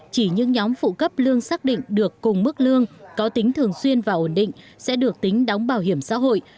chỉ những nhóm phụ cấp lương xác định được cùng mức lương có tính thường xuyên và ổn định sẽ được tính đóng bảo hiểm xã hội